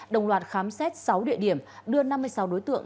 đồng loạt khám xét sáu địa điểm đưa năm mươi sáu đối tượng